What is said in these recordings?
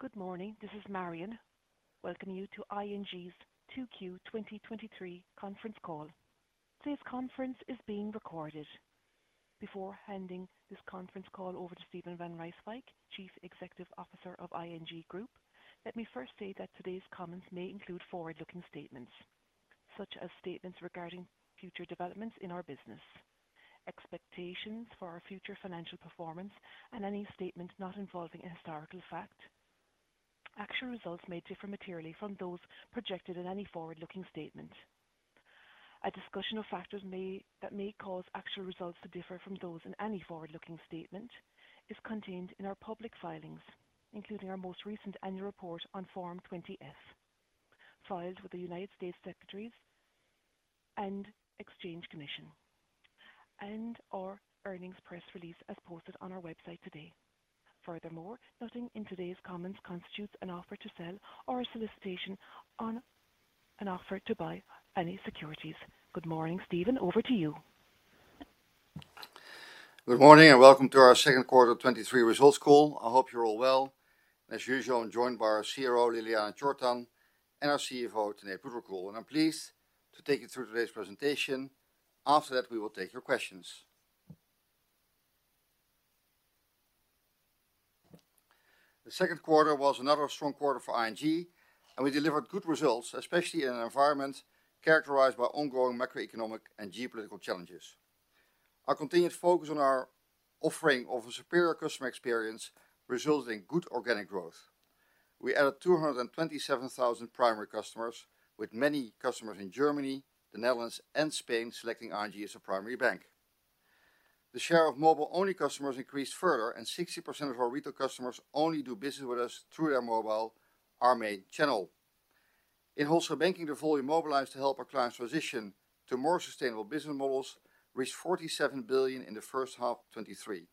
Good morning, this is Marian, welcoming you to ING's 2Q 2023 conference call. Today's conference is being recorded. Before handing this conference call over to Steven van Rijswijk, Chief Executive Officer of ING Group, let me first say that today's comments may include forward-looking statements, such as statements regarding future developments in our business, expectations for our future financial performance, and any statement not involving a historical fact. Actual results may differ materially from those projected in any forward-looking statement. A discussion of factors that may cause actual results to differ from those in any forward-looking statement is contained in our public filings, including our most recent annual report on Form 20-F, filed with the United States Securities and Exchange Commission, and our earnings press release as posted on our website today. Nothing in today's comments constitutes an offer to sell or a solicitation on an offer to buy any securities. Good morning, Steven. Over to you. Good morning, welcome to our second quarter 23 results call. I hope you're all well. As usual, I'm joined by our CRO, Ljiljana Čortan, and our CFO, Tanate Phutrakul I'm pleased to take you through today's presentation. After that, we will take your questions. The second quarter was another strong quarter for ING, we delivered good results, especially in an environment characterized by ongoing macroeconomic and geopolitical challenges. Our continued focus on our offering of a superior customer experience resulted in good organic growth. We added 227,000 primary customers, with many customers in Germany, the Netherlands and Spain selecting ING as a primary bank. The share of mobile-only customers increased further, 60% of our retail customers only do business with us through their mobile, our main channel. In Wholesale Banking, the volume mobilized to help our clients transition to more sustainable business models reached 47 billion in the first half of 2023,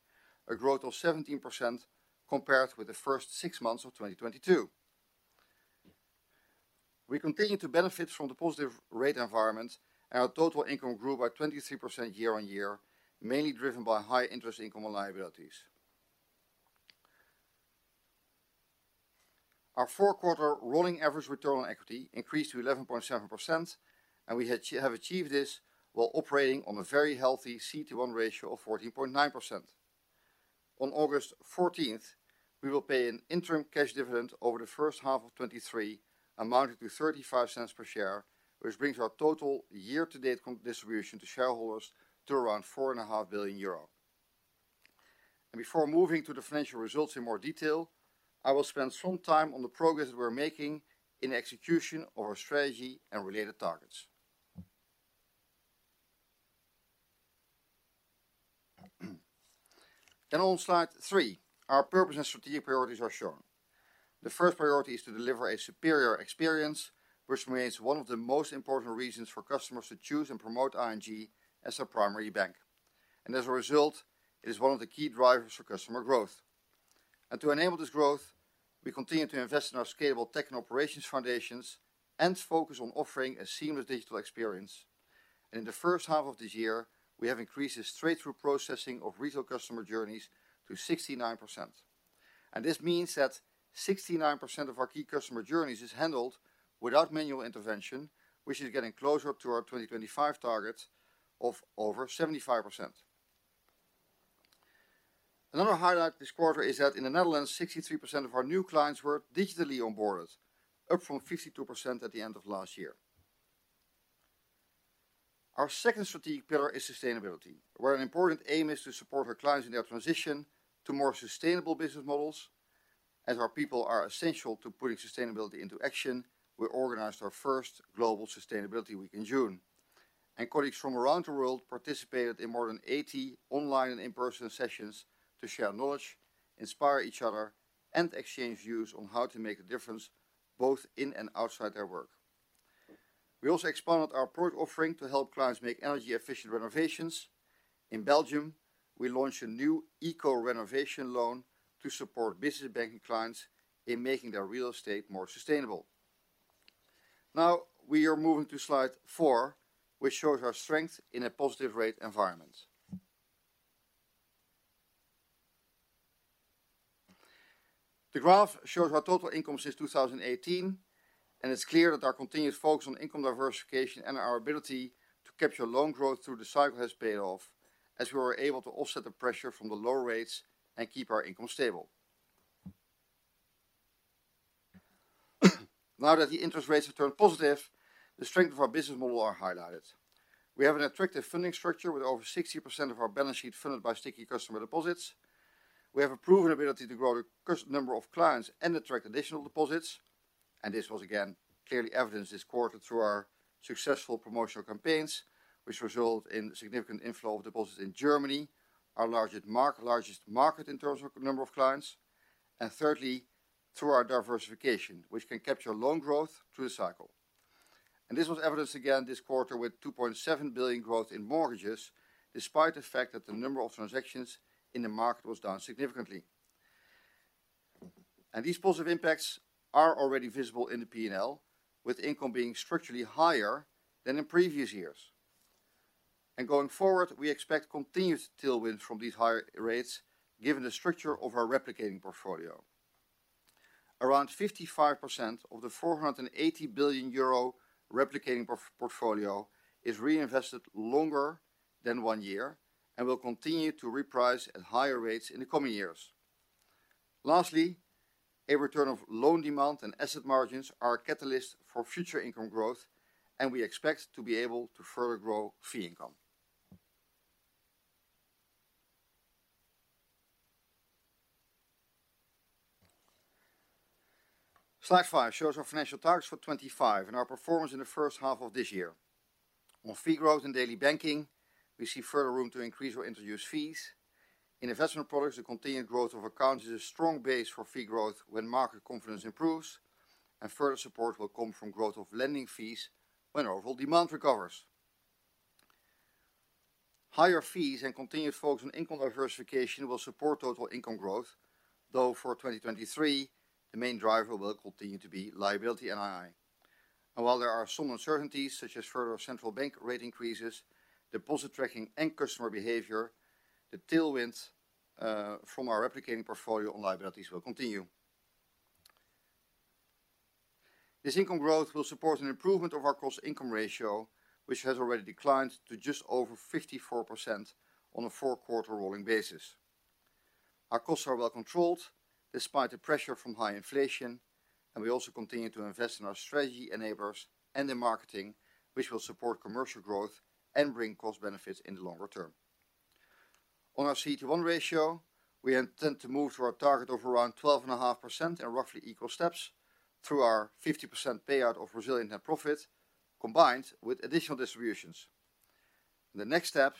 a growth of 17% compared with the first six months of 2022. We continue to benefit from the positive rate environment, and our total income grew by 23% year-on-year, mainly driven by high interest income and liabilities. Our four-quarter rolling average return on equity increased to 11.7%, and we have achieved this while operating on a very healthy CET1 ratio of 14.9%. On August 14th, we will pay an interim cash dividend over the first half of 2023, amounting to 0.35 per share, which brings our total year-to-date distribution to shareholders to around 4.5 billion euro. Before moving to the financial results in more detail, I will spend some time on the progress we're making in execution of our strategy and related targets. On slide 3, our purpose and strategic priorities are shown. The first priority is to deliver a superior experience, which remains one of the most important reasons for customers to choose and promote ING as their primary bank. As a result, it is one of the key drivers for customer growth. To enable this growth, we continue to invest in our scalable tech and operations foundations and focus on offering a seamless digital experience. In the first half of this year, we have increased the straight-through processing of retail customer journeys to 69%. This means that 69% of our key customer journeys is handled without manual intervention, which is getting closer to our 2025 target of over 75%. Another highlight this quarter is that in the Netherlands, 63% of our new clients were digitally onboarded, up from 52% at the end of last year. Our second strategic pillar is sustainability, where an important aim is to support our clients in their transition to more sustainable business models. As our people are essential to putting sustainability into action, we organized our first global sustainability week in June, and colleagues from around the world participated in more than 80 online and in-person sessions to share knowledge, inspire each other, and exchange views on how to make a difference, both in and outside their work. We also expanded our product offering to help clients make energy-efficient renovations. In Belgium, we launched a new Eco Renovation Loan to support business banking clients in making their real estate more sustainable. We are moving to slide 4, which shows our strength in a positive rate environment. The graph shows our total income since 2018, it's clear that our continuous focus on income diversification and our ability to capture loan growth through-the-cycle has paid off, as we were able to offset the pressure from the low rates and keep our income stable. Now that the interest rates have turned positive, the strength of our business model are highlighted. We have an attractive funding structure, with over 60% of our balance sheet funded by sticky customer deposits. We have a proven ability to grow the number of clients and attract additional deposits. This was again, clearly evidenced this quarter through our successful promotional campaigns, which result in significant inflow of deposits in Germany, our largest market in terms of number of clients. Thirdly, through our diversification, which can capture loan growth through the cycle. This was evidenced again this quarter with 2.7 billion growth in mortgages, despite the fact that the number of transactions in the market was down significantly. These positive impacts are already visible in the P&L, with income being structurally higher than in previous years. Going forward, we expect continued tailwinds from these higher rates, given the structure of our replicating portfolio. Around 55% of the 480 billion euro replicating portfolio is reinvested longer than 1 year and will continue to reprice at higher rates in the coming years. Lastly, a return of loan demand and asset margins are a catalyst for future income growth, and we expect to be able to further grow fee income. Slide 5 shows our financial targets for 2025 and our performance in the first half of this year. On fee growth and daily banking, we see further room to increase or introduce fees. In investment products, the continued growth of accounts is a strong base for fee growth when market confidence improves, and further support will come from growth of lending fees when overall demand recovers. Higher fees and continued focus on income diversification will support total income growth, though for 2023, the main driver will continue to be liability NII. While there are some uncertainties, such as further central bank rate increases, deposit tracking and customer behavior, the tailwinds from our replicating portfolio on liabilities will continue. This income growth will support an improvement of our cost-income ratio, which has already declined to just over 54% on a 4-quarter rolling basis. Our costs are well controlled despite the pressure from high inflation, and we also continue to invest in our strategy enablers and in marketing, which will support commercial growth and bring cost benefits in the longer term. On our CET1 ratio, we intend to move to our target of around 12.5% in roughly equal steps through our 50% payout of resilient net profit, combined with additional distributions. The next step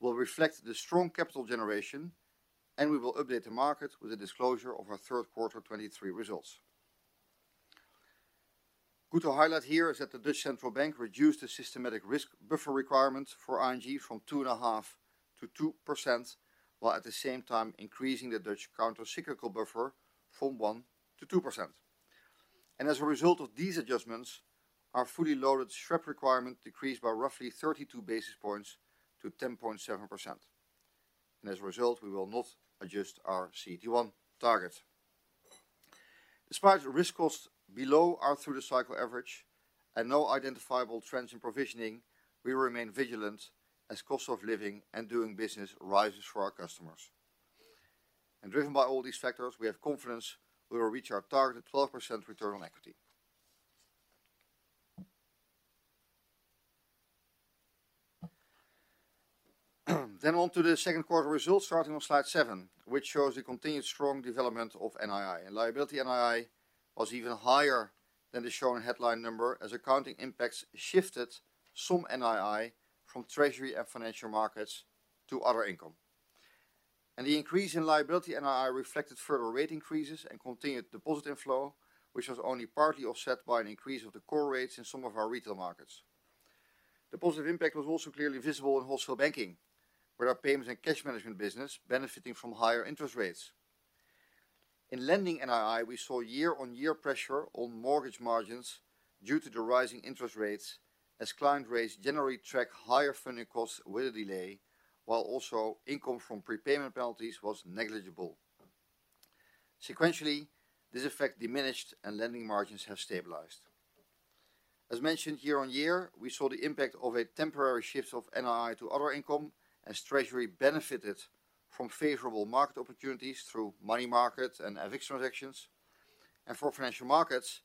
will reflect the strong capital generation, and we will update the market with a disclosure of our third quarter 2023 results. Good to highlight here is that the Dutch Central Bank reduced the systemic risk buffer requirements for ING from 2.5%-2%, while at the same time increasing the Dutch countercyclical buffer from 1%-2%. As a result of these adjustments, our fully loaded SREP requirement decreased by roughly 32 basis points to 10.7%, and as a result, we will not adjust our CET1 target. Despite risk costs below our through-the-cycle average and no identifiable trends in provisioning, we remain vigilant as cost of living and doing business rises for our customers. Driven by all these factors, we have confidence we will reach our target 12% return on equity. On to the second quarter results, starting on slide 7, which shows the continued strong development of NII. Liability NII was even higher than the shown headline number, as accounting impacts shifted some NII from Treasury and Financial Markets to other income. The increase in liability NII reflected further rate increases and continued deposit inflow, which was only partly offset by an increase of the core rates in some of our retail markets. The positive impact was also clearly visible in Wholesale Banking, with our Payments and Cash Management business benefiting from higher interest rates. In lending NII, we saw year-on-year pressure on mortgage margins due to the rising interest rates, as client rates generally track higher funding costs with a delay, while also income from prepayment penalties was negligible. Sequentially, this effect diminished and lending margins have stabilized. As mentioned, year-on-year, we saw the impact of a temporary shift of NII to other income as Treasury benefited from favorable market opportunities through money market and avix transactions, and for Financial Markets,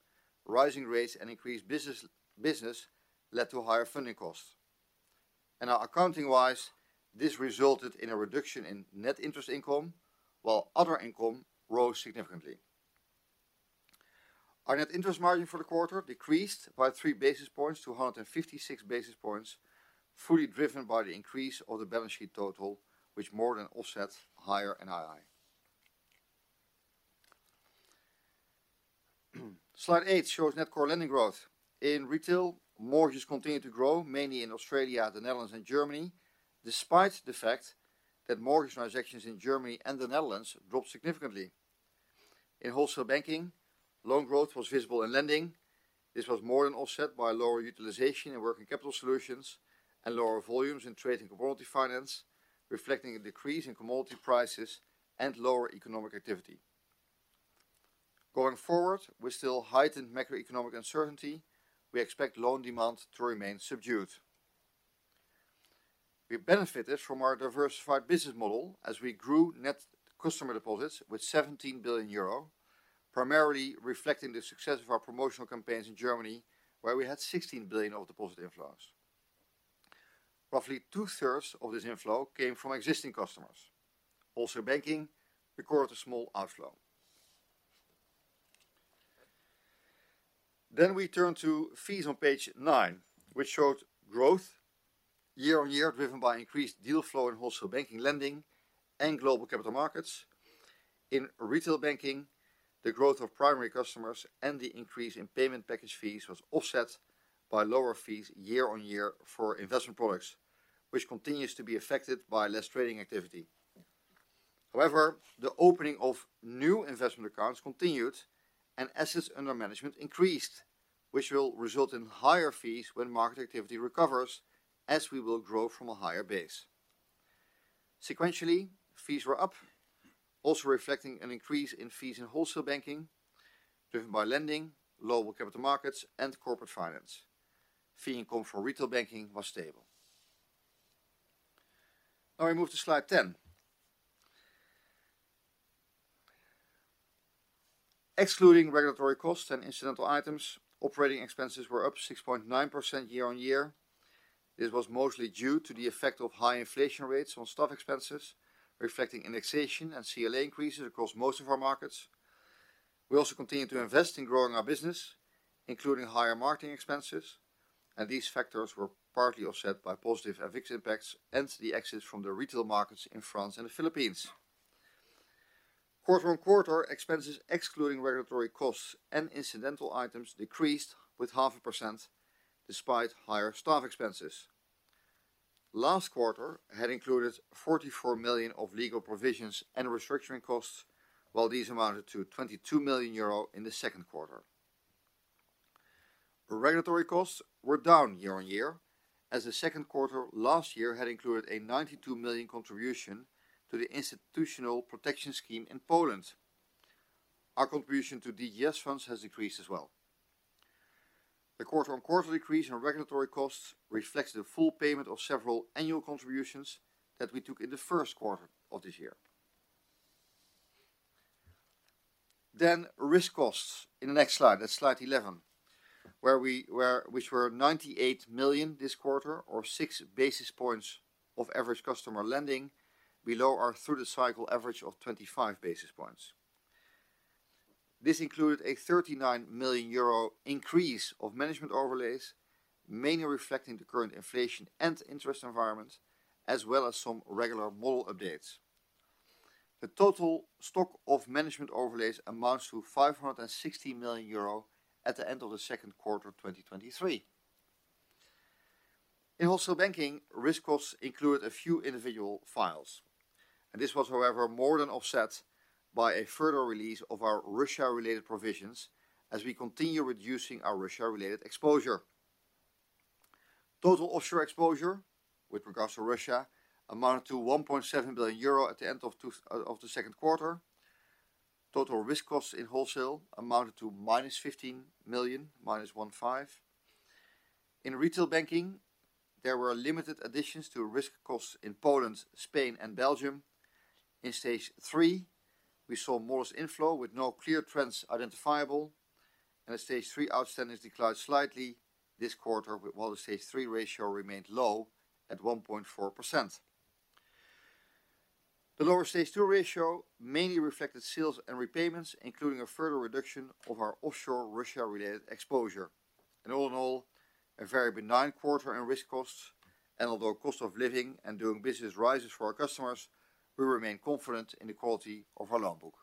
rising rates and increased business, business led to higher funding costs. Now accounting-wise, this resulted in a reduction in net interest income, while other income rose significantly. Our net interest margin for the quarter decreased by 3 basis points to 156 basis points, fully driven by the increase of the balance sheet total, which more than offsets higher NII. Slide 8 shows net core lending growth. In Retail, mortgages continued to grow, mainly in Australia, the Netherlands, and Germany, despite the fact that mortgage transactions in Germany and the Netherlands dropped significantly. In Wholesale Banking, loan growth was visible in lending. This was more than offset by lower utilization and Working Capital Solutions and lower volumes in Trade and Commodity Finance, reflecting a decrease in commodity prices and lower economic activity. Going forward, with still heightened macroeconomic uncertainty, we expect loan demand to remain subdued. We benefited from our diversified business model as we grew net customer deposits with 17 billion euro, primarily reflecting the success of our promotional campaigns in Germany, where we had 16 billion of deposit inflows. Roughly two-thirds of this inflow came from existing customers. Wholesale Banking recorded a small outflow. We turn to fees on page 9, which showed growth year-over-year, driven by increased deal flow in Wholesale Banking lending and Global Capital Markets. In Retail Banking, the growth of primary customers and the increase in payment package fees was offset by lower fees year-on-year for investment products, which continues to be affected by less trading activity. The opening of new investment accounts continued and assets under management increased, which will result in higher fees when market activity recovers, as we will grow from a higher base. Sequentially, fees were up, also reflecting an increase in fees in Wholesale Banking, driven by lending, lower capital markets, and corporate finance. Fee income from Retail Banking was stable. Now we move to slide 10. Excluding regulatory costs and incidental items, operating expenses were up 6.9% year-on-year. This was mostly due to the effect of high inflation rates on staff expenses, reflecting indexation and CLA increases across most of our markets. We also continued to invest in growing our business, including higher marketing expenses, these factors were partly offset by positive Avix impacts and the exit from the retail markets in France and the Philippines. Quarter-on-quarter, expenses, excluding regulatory costs and incidental items, decreased with 0.5% despite higher staff expenses. Last quarter had included 44 million of legal provisions and restructuring costs, while these amounted to 22 million euro in the second quarter. Regulatory costs were down year-on-year, as the second quarter last year had included a 92 million contribution to the institutional protection scheme in Poland. Our contribution to DGS funds has decreased as well. The quarter-on-quarter decrease in regulatory costs reflects the full payment of several annual contributions that we took in the first quarter of this year. Risk costs in the next slide, that's slide 11, which were 98 million this quarter, or 6 basis points of average customer lending, below our through-the-cycle average of 25 basis points. This included a 39 million euro increase of management overlays, mainly reflecting the current inflation and interest environment, as well as some regular model updates. The total stock of management overlays amounts to 560 million euro at the end of the second quarter of 2023. In Wholesale Banking, risk costs included a few individual files, and this was, however, more than offset by a further release of our Russia-related provisions as we continue reducing our Russia-related exposure. Total offshore exposure, with regards to Russia, amounted to 1.7 billion euro at the end of the second quarter. Total risk costs in Wholesale Banking amounted to -15 million, minus 1 5. In Retail Banking, there were limited additions to risk costs in Poland, Spain, and Belgium. In Stage 3, we saw modest inflow with no clear trends identifiable. The Stage 3 outstandings declined slightly this quarter, while the Stage 3 ratio remained low at 1.4%. The lower Stage 2 ratio mainly reflected sales and repayments, including a further reduction of our offshore Russia-related exposure. All in all, a very benign quarter in risk costs, although cost of living and doing business rises for our customers, we remain confident in the quality of our loan book.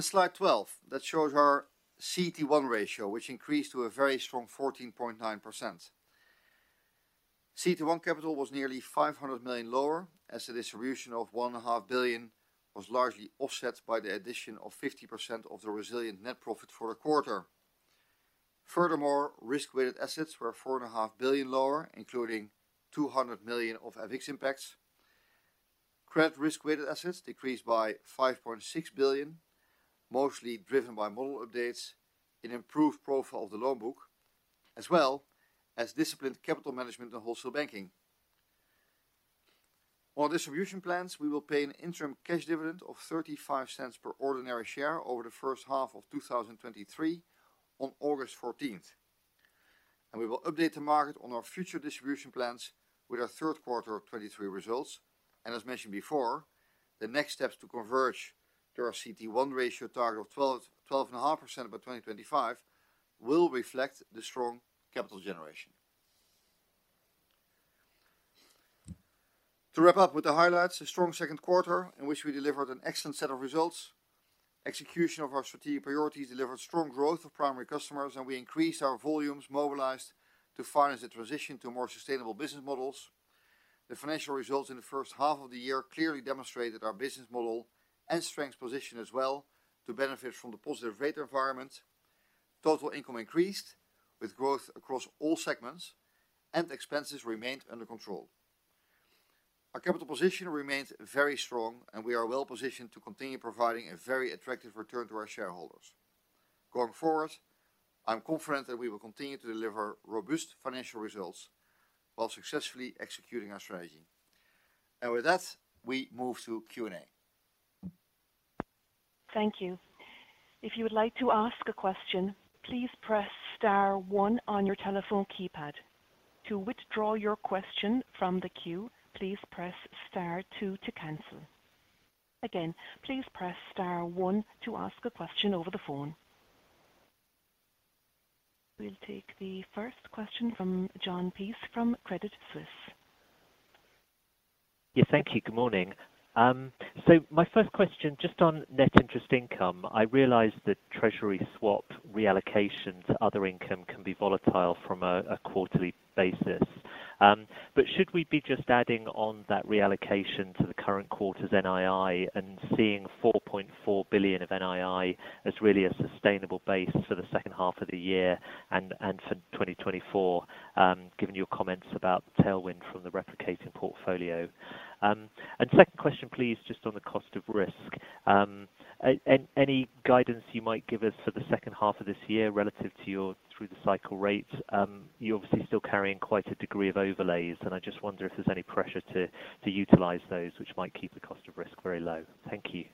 Slide 12, that shows our CET1 ratio, which increased to a very strong 14.9%. CET1 capital was nearly 500 million lower, as the distribution of 1.5 billion was largely offset by the addition of 50% of the resilient net profit for the quarter. Furthermore, risk-weighted assets were 4.5 billion lower, including 200 million of Avix impacts. Credit risk-weighted assets decreased by 5.6 billion, mostly driven by model updates and improved profile of the loan book, as well as disciplined capital management and Wholesale Banking. On our distribution plans, we will pay an interim cash dividend of 0.35 per ordinary share over the first half of 2023 on August 14th, and we will update the market on our future distribution plans with our third quarter of 2023 results. As mentioned before, the next steps to converge to our CET1 ratio target of 12, 12.5% by 2025, will reflect the strong capital generation. To wrap up with the highlights, a strong second quarter in which we delivered an excellent set of results. Execution of our strategic priorities delivered strong growth of primary customers, and we increased our volumes mobilized to finance the transition to more sustainable business models. The financial results in the first half of the year clearly demonstrated our business model and strength position as well, to benefit from the positive rate environment. Total income increased, with growth across all segments, and expenses remained under control. Our capital position remains very strong, and we are well positioned to continue providing a very attractive return to our shareholders. Going forward, I'm confident that we will continue to deliver robust financial results while successfully executing our strategy. With that, we move to Q&A. Thank you. If you would like to ask a question, please press star one on your telephone keypad. To withdraw your question from the queue, please press star two to cancel. Again, please press star one to ask a question over the phone. We'll take the first question from Jon Peace, from Credit Suisse. Yeah, thank you. Good morning. My first question, just on net interest income, I realize that treasury swap reallocation to other income can be volatile from a quarterly basis. Should we be just adding on that reallocation to the current quarter's NII and seeing 4.4 billion of NII as really a sustainable base for the second half of the year and for 2024, given your comments about the tailwind from the replicating portfolio? Second question, please, just on the cost of risk. Any guidance you might give us for the second half of this year relative to your through-the-cycle rate? You're obviously still carrying quite a degree of overlays, and I just wonder if there's any pressure to utilize those, which might keep the cost of risk very low. Thank you.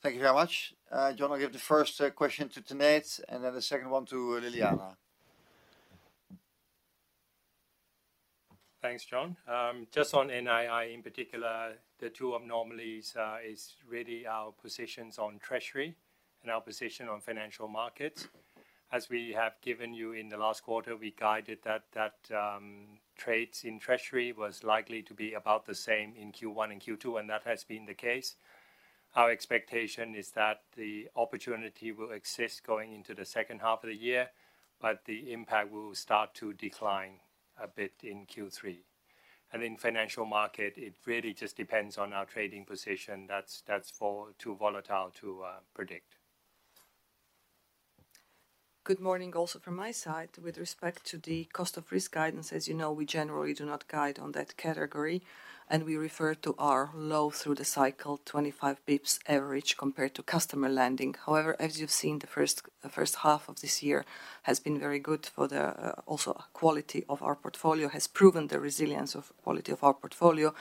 Thank you very much. Jon Peace, I'll give the first question to Tanate, and then the second one to Ljiljana. Thanks, John. Just on NII in particular, the two anomalies is really our positions on Treasury and our position on Financial Markets. As we have given you in the last quarter, we guided that, that trades in Treasury was likely to be about the same in Q1 and Q2, and that has been the case. Our expectation is that the opportunity will exist going into the second half of the year, but the impact will start to decline a bit in Q3. In Financial Markets, it really just depends on our trading position. That's too volatile to predict. Good morning also from my side. With respect to the cost of risk guidance, as you know, we generally do not guide on that category. We refer to our low through-the-cycle, 25 basis points average, compared to customer lending. As you've seen, the first, the first half of this year has been very good for the, also quality of our portfolio, has proven the resilience of quality of our portfolio.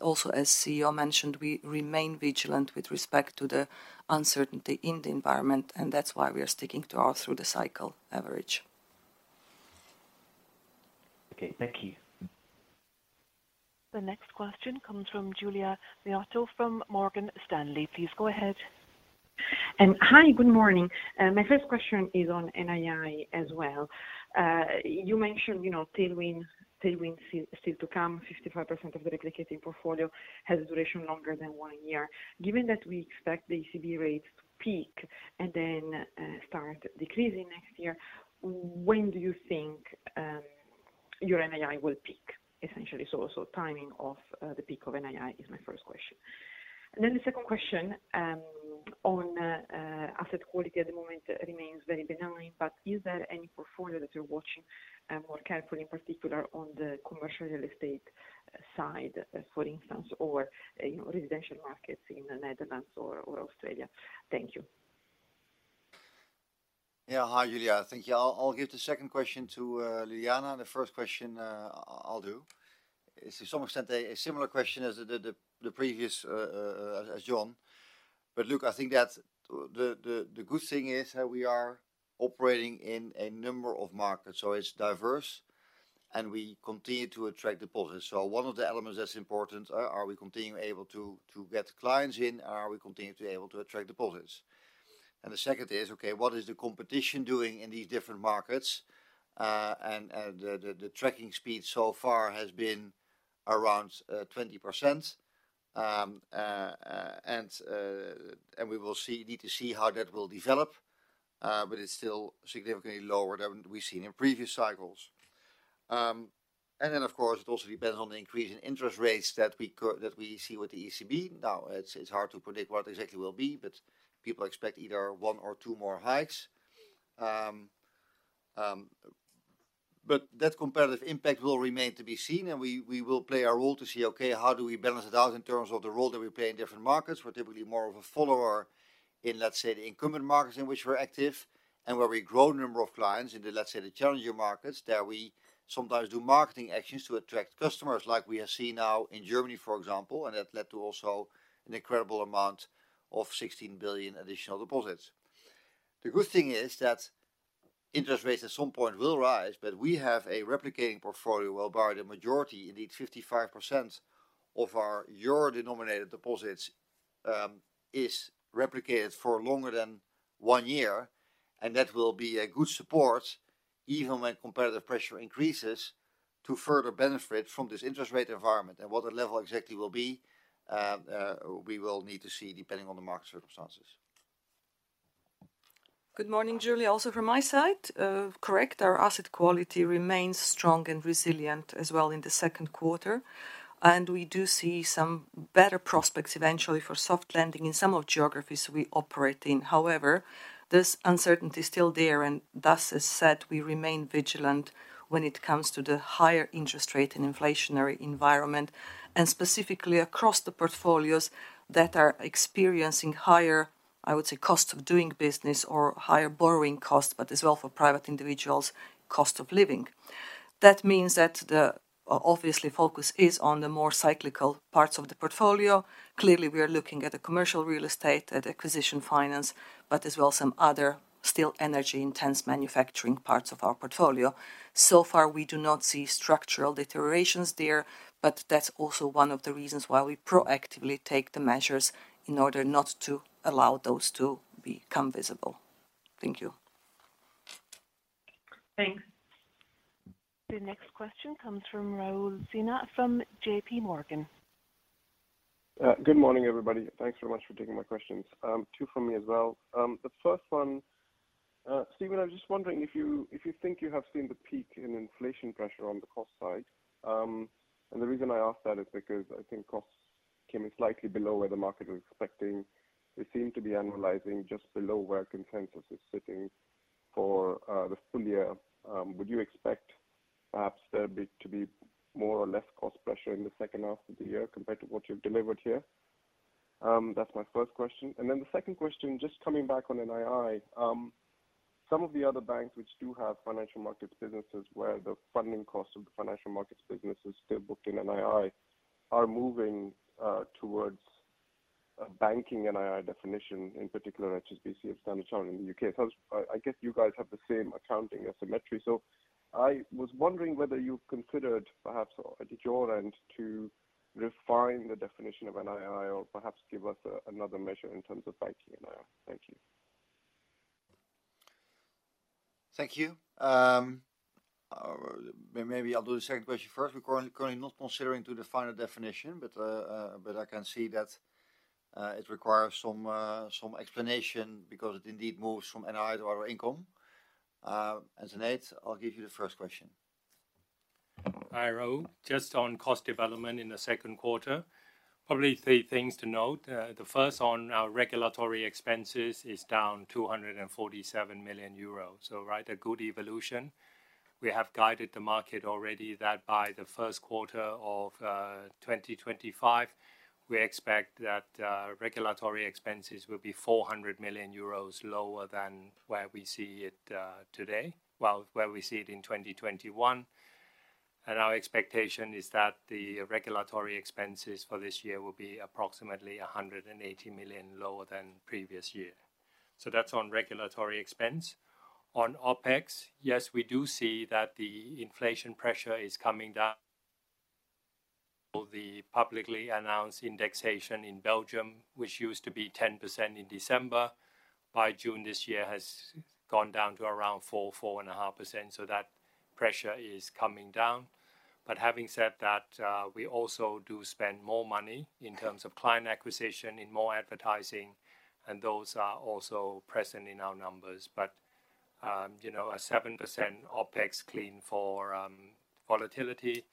Also, as CEO mentioned, we remain vigilant with respect to the uncertainty in the environment, that's why we are sticking to our through-the-cycle average. Okay, thank you. The next question comes from Giulia Miotto from Morgan Stanley. Please go ahead. Hi, good morning. My first question is on NII as well. You mentioned, you know, tailwind, tailwind still, still to come. 55% of the replicating portfolio has a duration longer than 1 year. Given that we expect the ECB rates to peak and then start decreasing next year, when do you think your NII will peak, essentially? Timing of the peak of NII is my first question. Then the second question on asset quality at the moment remains very benign, but is there any portfolio that you're watching more carefully, in particular, on the commercial real estate side, for instance, or, you know, residential markets in the Netherlands or Australia? Thank you. Yeah. Hi, Giulia. Thank you. I'll give the second question to Ljiljana, the first question I'll do. It's to some extent a similar question as the previous as Jon Peace. Look, I think that the good thing is that we are operating in a number of markets, so it's diverse, and we continue to attract deposits. One of the elements that's important are we continuing able to get clients in, and are we continuing to be able to attract deposits? The second is, okay, what is the competition doing in these different markets? The tracking speed so far has been around 20%. We will see- need to see how that will develop, but it's still significantly lower than we've seen in previous cycles. Then, of course, it also depends on the increase in interest rates that we co- that we see with the ECB. Now, it's, it's hard to predict what exactly it will be, but people expect either one or two more hikes. That competitive impact will remain to be seen, and we, we will play our role to see, okay, how do we balance it out in terms of the role that we play in different markets? We're typically more of a follower in the incumbent markets in which we're active, and where we grow number of clients in the challenger markets, there we sometimes do marketing actions to attract customers, like we have seen now in Germany, for example. That led to also an incredible amount of 16 billion additional deposits. The good thing is that interest rates at some point will rise, but we have a replicating portfolio, whereby the majority, indeed 55% of our euro-denominated deposits, is replicated for longer than 1 year. That will be a good support even when competitive pressure increases to further benefit from this interest rate environment. What the level exactly will be, we will need to see, depending on the market circumstances. Good morning, Giulia, also from my side. Correct, our asset quality remains strong and resilient as well in the second quarter, and we do see some better prospects eventually for soft landing in some of geographies we operate in. However, this uncertainty is still there, and thus, as said, we remain vigilant when it comes to the higher interest rate and inflationary environment, and specifically across the portfolios that are experiencing higher, I would say, cost of doing business or higher borrowing costs, but as well for private individuals, cost of living. That means that the, obviously, focus is on the more cyclical parts of the portfolio. Clearly, we are looking at the commercial real estate, at acquisition finance, but as well, some other still energy-intense manufacturing parts of our portfolio. Far, we do not see structural deteriorations there, but that's also one of the reasons why we proactively take the measures in order not to allow those to become visible. Thank you. Thanks. The next question comes from Raul Sinha from JP Morgan. Good morning, everybody. Thanks very much for taking my questions. Two from me as well. The first one, Steven, I was just wondering if you, if you think you have seen the peak in inflation pressure on the cost side. The reason I ask that is because I think costs came in slightly below where the market was expecting. They seem to be analyzing just below where consensus is sitting for the full year. Would you expect perhaps there be, to be more or less cost pressure in the second half of the year compared to what you've delivered here? That's my first question. Then the second question, just coming back on NII. Some of the other banks which do have financial markets businesses, where the funding cost of the financial markets business is still booked in NII, are moving towards a banking NII definition, in particular, HSBC, of Standard Chartered in the UK. I, I guess you guys have the same accounting as symmetry. I was wondering whether you considered, perhaps at your end, to refine the definition of NII or perhaps give us another measure in terms of banking NII. Thank you. Thank you. Maybe I'll do the second question first. We're currently not considering to define a definition, but I can see that it requires some explanation because it indeed moves from NII to other income. Then, Nate, I'll give you the first question. Hi, Raul. Just on cost development in the second quarter, probably three things to note. The first on our regulatory expenses is down 247 million euros. Right, a good evolution. We have guided the market already that by the first quarter of 2025, we expect that regulatory expenses will be 400 million euros lower than where we see it today, well, where we see it in 2021. Our expectation is that the regulatory expenses for this year will be approximately 180 million lower than previous year. That's on regulatory expense. On OpEx, yes, we do see that the inflation pressure is coming down. The publicly announced indexation in Belgium, which used to be 10% in December, by June this year, has gone down to around 4-4.5%, so that pressure is coming down. Having said that, we also do spend more money in terms of client acquisition, in more advertising, and those are also present in our numbers. You know, a 7% OpEx clean for volatility,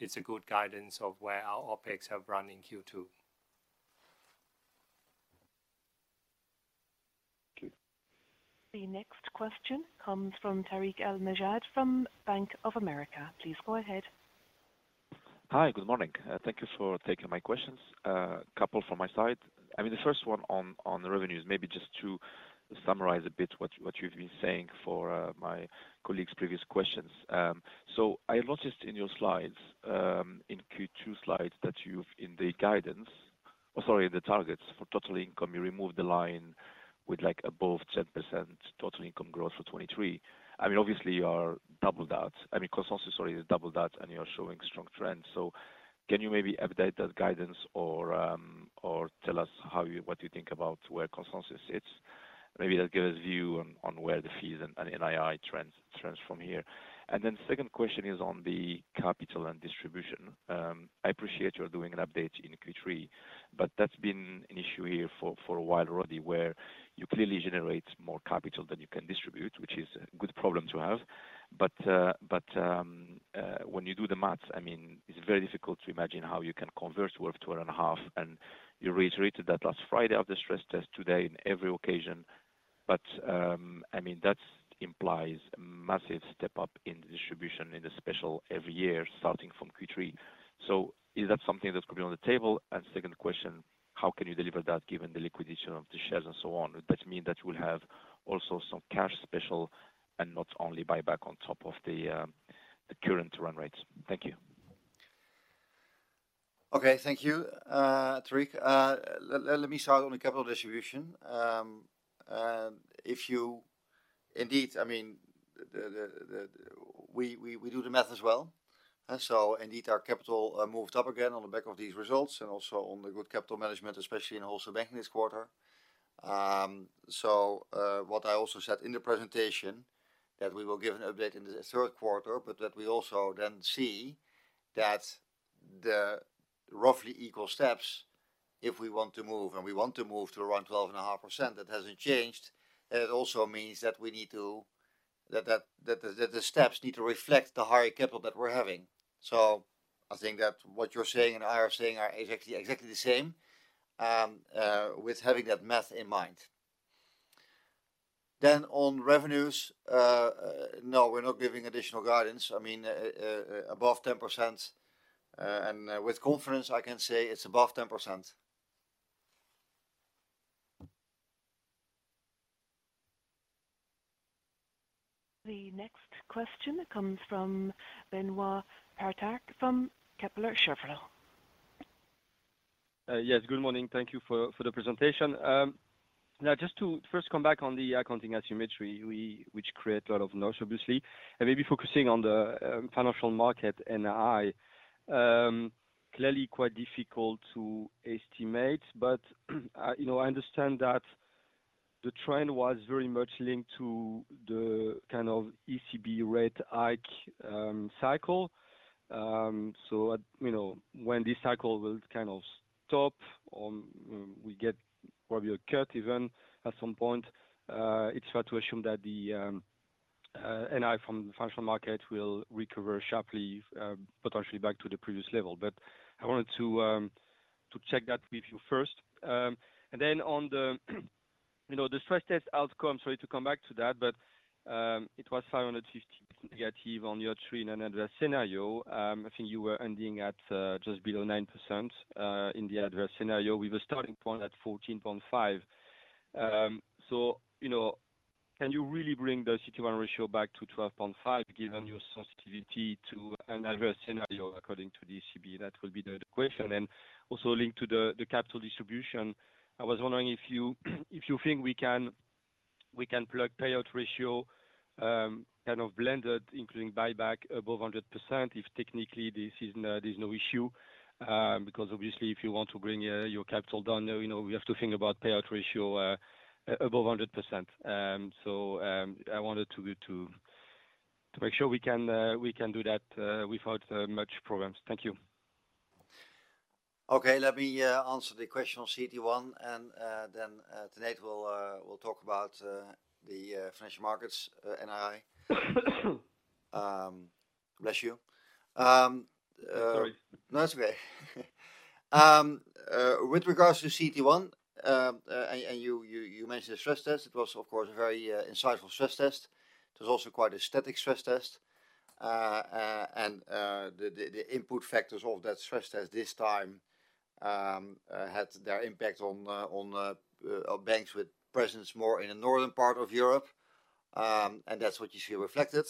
it's a good guidance of where our OpEx have run in Q2. Thank you. The next question comes from Tarik El Mejjad from Bank of America. Please go ahead. Hi, good morning. Thank you for taking my questions. A couple from my side. I mean, the first one on the revenues, maybe just to summarize a bit what you, what you've been saying for my colleagues' previous questions. I noticed in your slides, in Q2 slides, that you've in the guidance- or sorry, in the targets for total income, you removed the line with, like, above 10% total income growth for 2023. I mean, obviously, you are double that. I mean, consensus, sorry, is double that, you're showing strong trends. Can you maybe update that guidance or tell us what you think about where consensus sits? Maybe that'll give us view on, on where the fees and NII trends, trends from here. Then second question is on the capital and distribution. I appreciate you're doing an update in Q3, but that's been an issue here for, for a while already, where you clearly generate more capital than you can distribute, which is a good problem to have. When you do the math, it's very difficult to imagine how you can convert 12 to 2.5, and you reiterated that last Friday of the stress test today in every occasion. That implies a massive step up in the distribution in the special every year, starting from Q3. Is that something that could be on the table? Second question, how can you deliver that given the liquidation of the shares and so on? Does that mean that you will have also some cash special and not only buyback on top of the current run rates? Thank you. Okay, thank you, Tarik. Let me start on the capital distribution. Indeed, I mean, we do the math as well. Indeed, our capital moved up again on the back of these results and also on the good capital management, especially in Wholesale Banking this quarter. What I also said in the presentation, that we will give an update in the third quarter, but that we also then see that the roughly equal steps if we want to move, and we want to move to around 12.5%, that hasn't changed. It also means that the steps need to reflect the higher capital that we're having. I think that what you're saying and I are saying are exactly, exactly the same, with having that math in mind. On revenues, no, we're not giving additional guidance. I mean, above 10%, and with confidence, I can say it's above 10%. The next question comes from Benoit Petrarque from Kepler Cheuvreux. Yes, good morning. Thank you for, for the presentation. Now, just to first come back on the accounting asymmetry, which create a lot of noise, obviously. Maybe focusing on the Financial Markets NII, clearly quite difficult to estimate, but, you know, I understand that- ... the trend was very much linked to the kind of ECB rate hike cycle. You know, when this cycle will kind of stop, we get probably a cut even at some point, it's fair to assume that the NII from the financial market will recover sharply, potentially back to the previous level. I wanted to check that with you first. On the, you know, the stress test outcome, sorry to come back to that, but, it was 550 negative on your three and adverse scenario. I think you were ending at just below 9% in the adverse scenario, with a starting point at 14.5%. You know, can you really bring the CET1 ratio back to 12.5, given your sensitivity to an adverse scenario according to the ECB? That will be the question. Also linked to the, the capital distribution, I was wondering if you, if you think we can, we can plug payout ratio, kind of blended, including buyback above 100%, if technically this is not-- there's no issue. Because obviously, if you want to bring your capital down, then, you know, we have to think about payout ratio, above 100%. I wanted to, to, to make sure we can do that without much problems. Thank you. Okay, let me answer the question on CET1, and then Tanate we'll talk about the Financial Markets NII. Bless you. Sorry. No, that's okay. With regards to CET1, and and you, you, you mentioned the stress test. It was, of course, a very insightful stress test. It was also quite a static stress test. The, the, the input factors of that stress test this time had their impact on on banks with presence more in the northern part of Europe, and that's what you see reflected.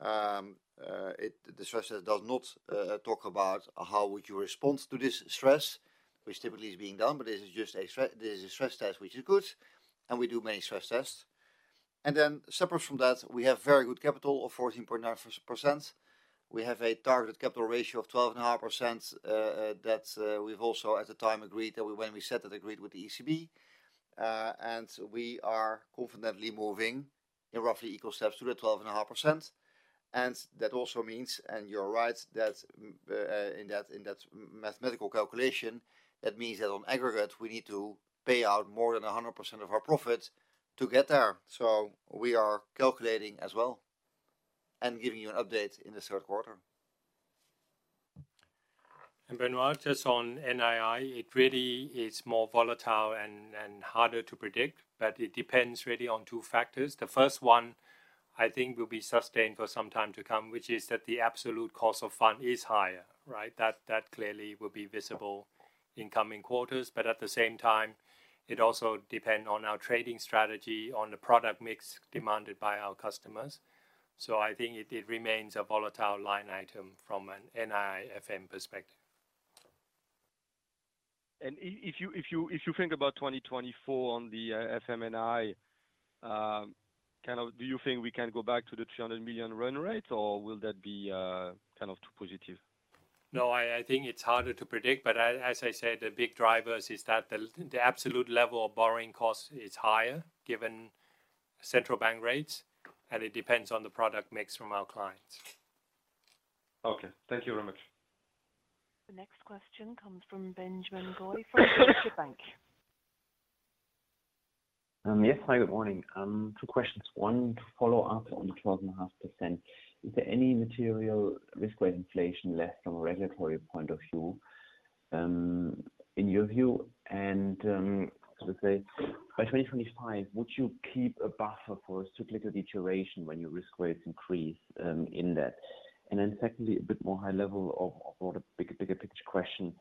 The stress test does not talk about how would you respond to this stress, which typically is being done, but this is just a this is a stress test, which is good, and we do many stress tests. Then separate from that, we have very good capital of 14.9%. We have a targeted capital ratio of 12.5%, that we've also, at the time, agreed that when we set it, agreed with the ECB. We are confidently moving in roughly equal steps to the 12.5%. That also means, and you're right, that, in that, in that mathematical calculation, that means that on aggregate, we need to pay out more than 100% of our profits to get there. We are calculating as well and giving you an update in the third quarter. Benoit, just on NII, it really is more volatile and harder to predict. It depends really on two factors. The first one, I think, will be sustained for some time to come, which is that the absolute cost of fund is higher, right? That clearly will be visible in coming quarters. At the same time, it also depend on our trading strategy, on the product mix demanded by our customers. I think it remains a volatile line item from an NII FM perspective. If you think about 2024 on the FM NII, kind of do you think we can go back to the 300 million run rate, or will that be kind of too positive? No, I, I think it's harder to predict, but as, as I said, the big drivers is that the, the absolute level of borrowing costs is higher, given central bank rates, and it depends on the product mix from our clients. Okay. Thank you very much. The next question comes from Benjamin Goy from Deutsche Bank. Yes. Hi, good morning. Two questions. One, to follow up on the 12.5%, is there any material risk weight inflation left from a regulatory point of view, in your view? Let's say, by 2025, would you keep a buffer for cyclical deterioration when your risk weights increase, in that? Then secondly, a bit more high level of, of what a bigger, bigger picture question.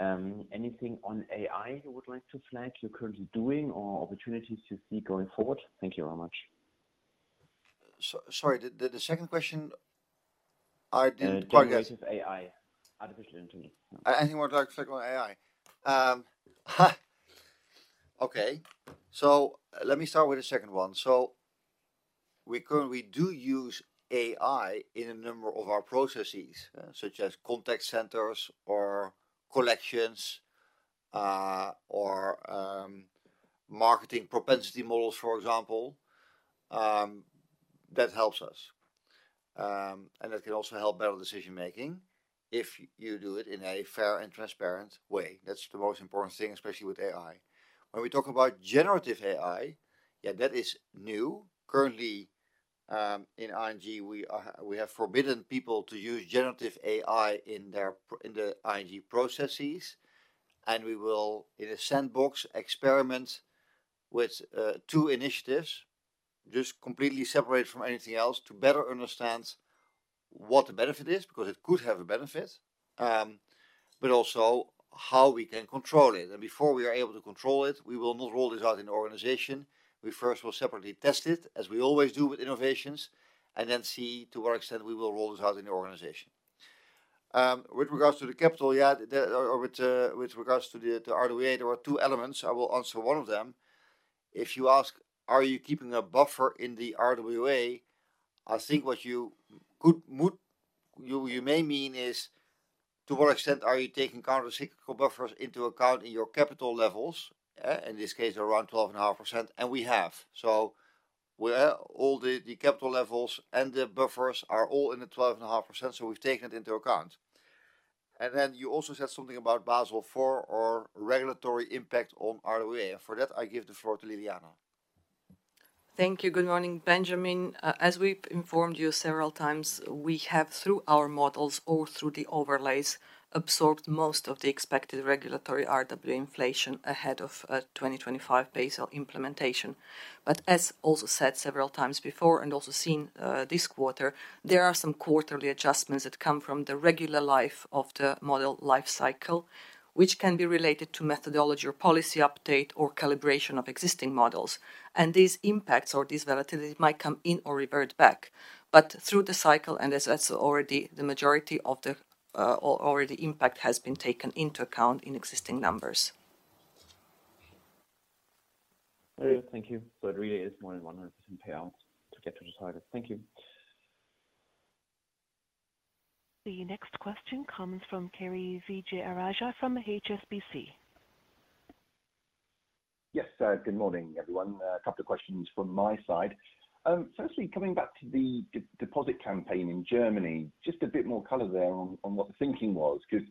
Anything on AI you would like to flag you're currently doing or opportunities to see going forward? Thank you very much. sorry, the, the second question, I didn't quite get... Generative AI, Artificial Intelligence. Anything you would like to flag on AI? Okay, let me start with the second one. We currently we do use AI in a number of our processes, such as contact centers or collections, or marketing propensity models, for example. That helps us. That can also help better decision-making if you do it in a fair and transparent way. That's the most important thing, especially with AI. When we talk about generative AI, yeah, that is new. Currently, in ING, we are, we have forbidden people to use generative AI in their in the ING processes, and we will, in a sandbox, experiment with, two initiatives, just completely separate from anything else, to better understand what the benefit is, because it could have a benefit, but also how we can control it. Before we are able to control it, we will not roll this out in the organization. We first will separately test it, as we always do with innovations, and then see to what extent we will roll this out in the organization. With regards to the capital, the, or with regards to the, the RWA, there are two elements. I will answer one of them. If you ask, "Are you keeping a buffer in the RWA?" I think what you could, would... You, you may mean is-... To what extent are you taking countercyclical buffers into account in your capital levels? In this case, around 12.5%, and we have. We, all the, the capital levels and the buffers are all in the 12.5%, so we've taken it into account. Then you also said something about Basel IV or regulatory impact on RWA. For that, I give the floor to Ljiljana. Thank you. Good morning, Benjamin. As we've informed you several times, we have, through our models or through the overlays, absorbed most of the expected regulatory RWA inflation ahead of 2025 Basel implementation. As also said several times before and also seen this quarter, there are some quarterly adjustments that come from the regular life of the model life cycle, which can be related to methodology or policy update or calibration of existing models. These impacts or these volatilities might come in or revert back. Through the cycle, as already the majority of the, or already impact has been taken into account in existing numbers. Thank you. It really is more than 100% payout to get to the target. Thank you. The next question comes from Kiri Vijayarajah from HSBC. Yes, good morning, everyone. A couple of questions from my side. Firstly, coming back to the deposit campaign in Germany, just a bit more color there on what the thinking was, 'cause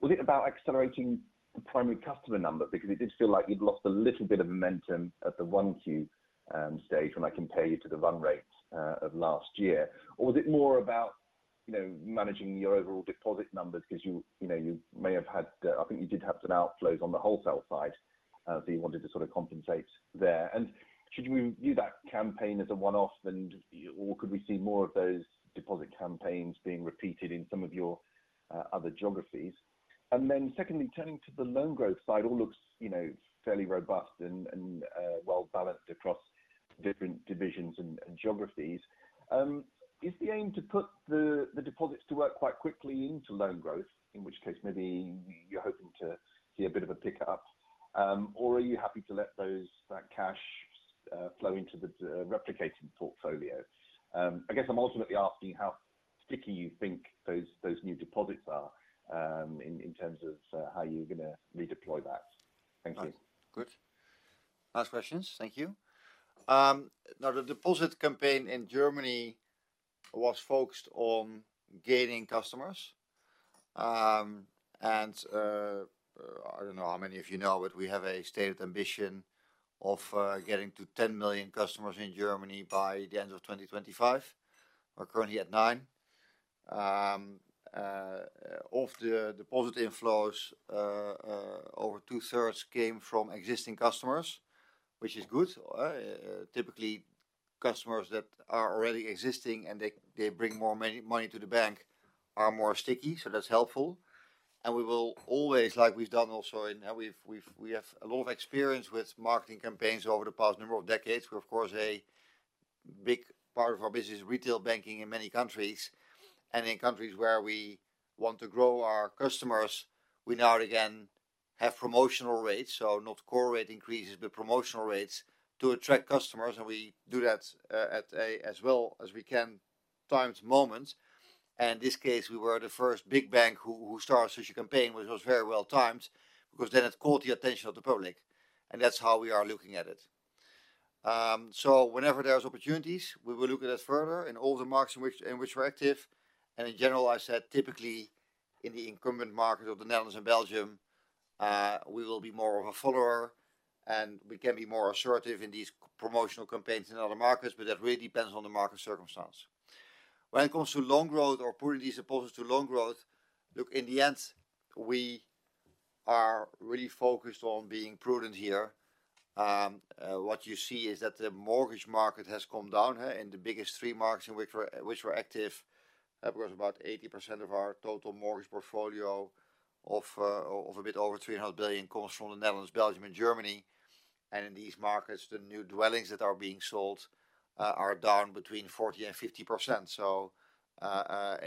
was it about accelerating the primary customer number? Because it did feel like you'd lost a little bit of momentum at the 1Q stage when I compare you to the run rates of last year. Or was it more about, you know, managing your overall deposit numbers 'cause you, you know, you may have had, I think you did have some outflows on the wholesale side, so you wanted to sort of compensate there. Should we view that campaign as a one-off, or could we see more of those deposit campaigns being repeated in some of your other geographies? Then secondly, turning to the loan growth side, all looks, you know, fairly robust and, and well balanced across different divisions and, and geographies. Is the aim to put the, the deposits to work quite quickly into loan growth, in which case maybe you're hoping to see a bit of a pickup? Or are you happy to let those, that cash flow into the replicating portfolio? I guess I'm ultimately asking how sticky you think those, those new deposits are, in terms of how you're going to redeploy that. Thank you. Good. Nice questions. Thank you. Now, the deposit campaign in Germany was focused on gaining customers. I don't know how many of you know, but we have a stated ambition of getting to 10 million customers in Germany by the end of 2025. We're currently at 9. Of the deposit inflows, over two-thirds came from existing customers, which is good. Typically, customers that are already existing and they, they bring more money to the bank are more sticky, so that's helpful. We will always, like we've done also in... We have a lot of experience with marketing campaigns over the past number of decades. We're, of course, a big part of our business, Retail Banking in many countries. In countries where we want to grow our customers, we now again, have promotional rates, so not core rate increases, but promotional rates to attract customers, and we do that, at a, as well as we can, time to moment. In this case, we were the first big bank who started such a campaign, which was very well timed, because then it caught the attention of the public, and that's how we are looking at it. So whenever there are opportunities, we will look at it further in all the markets in which we're active. In general, I said typically in the incumbent market of the Netherlands and Belgium, we will be more of a follower, and we can be more assertive in these promotional campaigns in other markets, but that really depends on the market circumstance. When it comes to loan growth or putting these deposits to loan growth, look, in the end, we are really focused on being prudent here. What you see is that the mortgage market has come down in the biggest three markets in which we're, which we're active. Because about 80% of our total mortgage portfolio of a bit over 300 billion comes from the Netherlands, Belgium, and Germany. In these markets, the new dwellings that are being sold are down between 40% and 50%.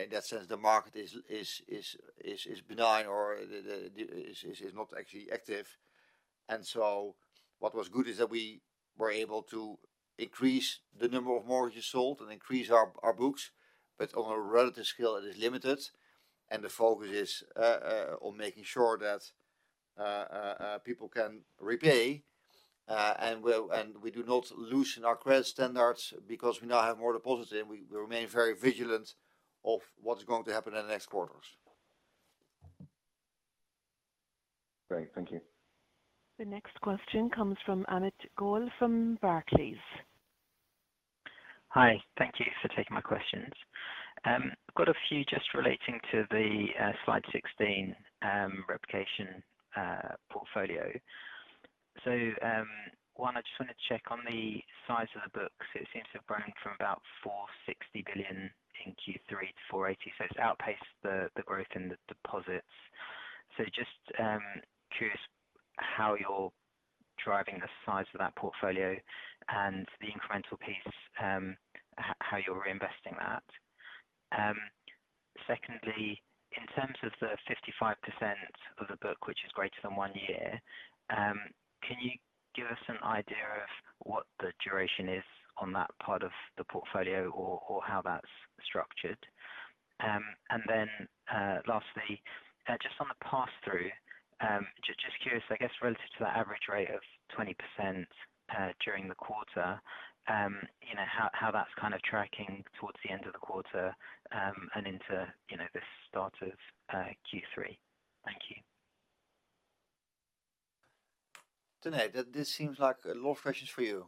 In that sense, the market is, is, is, is, is benign or the, the, is, is, is not actually active. What was good is that we were able to increase the number of mortgages sold and increase our, our books, but on a relative scale, it is limited, and the focus is on making sure that people can repay, and we do not loosen our credit standards because we now have more deposits, and we, we remain very vigilant of what is going to happen in the next quarters. Great. Thank you. The next question comes from Amit Goel, from Barclays. Hi. Thank you for taking my questions. I've got a few just relating to the slide 16, replication portfolio. One, I just want to check on the size of the book, 'cause it seems to have grown from about 460 billion in Q3 to 480 billion, so it's outpaced the growth in the deposits. Just curious how you're driving the size of that portfolio and the incremental piece, how you're reinvesting that. Secondly, in terms of the 55% of the book, which is greater than 1 year, can you give us an idea of what the duration is on that part of the portfolio or how that's structured? Then, lastly, just on the pass-through, just curious, I guess, relative to the average rate of 20%, during the quarter, you know, how, how that's kind of tracking towards the end of the quarter, and into, you know, the start of Q3. Thank you. Tanate, this seems like a lot of questions for you.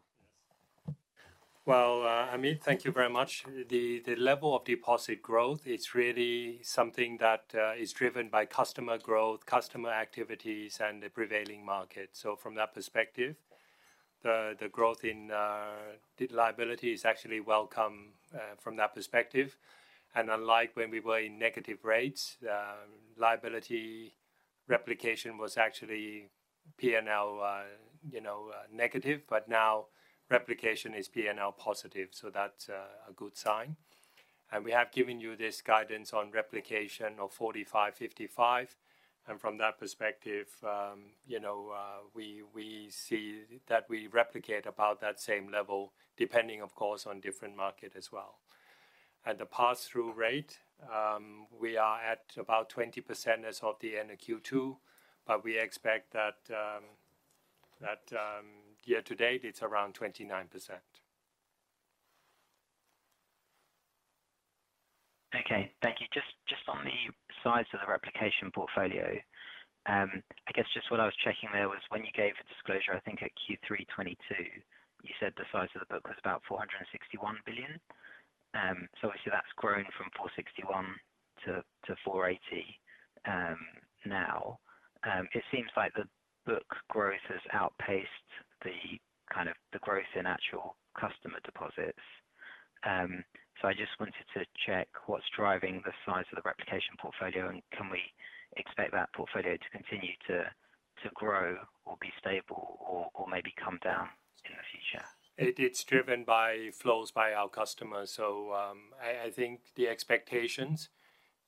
Well, Amit, thank you very much. The level of deposit growth, it's really something that is driven by customer growth, customer activities, and the prevailing market. From that perspective, the growth in the liability is actually welcome from that perspective. Unlike when we were in negative rates, liability replication was actually PNL, you know, negative, but now replication is PNL positive, so that's a good sign. We have given you this guidance on replication of 45, 55, and from that perspective, you know, we see that we replicate about that same level, depending, of course, on different market as well. At the pass-through rate, we are at about 20% as of the end of Q2, but we expect that year to date, it's around 29%. Okay, thank you. Just, just on the size of the replicating portfolio, I guess just what I was checking there was when you gave a disclosure, I think at Q3 2022, you said the size of the book was about 461 billion. Obviously, that's grown from 461 to 480. Now, it seems like the book growth has outpaced the kind of the growth in actual customer deposits. I just wanted to check what's driving the size of the replicating portfolio, and can we expect that portfolio to continue to, to grow or be stable or, or maybe come down in the future? It's driven by flows by our customers. I, I think the expectations